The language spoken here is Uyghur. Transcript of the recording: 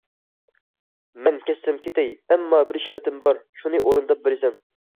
مەن كەتسەم كېتەي، ئەمما بىر شەرتىم بار، شۇنى ئورۇنداپ بىرىسەن.